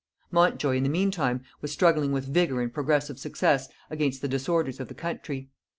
Montjoy in the meantime was struggling with vigor and progressive success against the disorders of the country.